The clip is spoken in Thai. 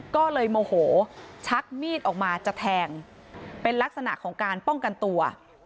ก็เลยโมโหชักมีดออกมาจะแทงเป็นลักษณะของการป้องกันตัว